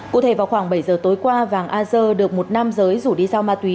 cụ thể vào khoảng bảy giờ tối qua vàng a dơ được một nam giới rủ đi giao ma túy